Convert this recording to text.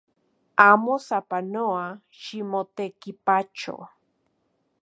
Amo sapanoa ximotekipacho